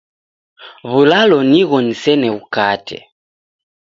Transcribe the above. W'ulalo nigho nisene ghukate.